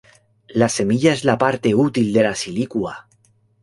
La semilla es la parte útil de la silicua.